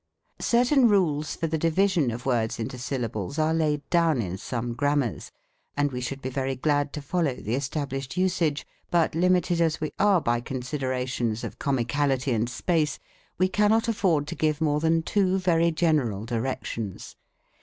Certain rules for the division of words mto syllables are laid down in some grammars, and we should be very glad to follow the established usage, but limited as we are by considerations of comicality and space, ORTHOGRAPHY. 17 we cannot afford to give more than two very general directions.